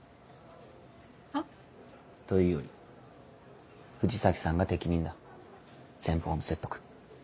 はっ？というより藤崎さんが適任だ先方の説得。